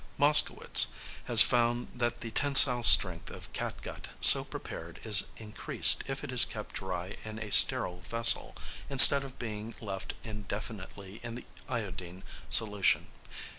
Moschcowitz has found that the tensile strength of catgut so prepared is increased if it is kept dry in a sterile vessel, instead of being left indefinitely in the iodine solution.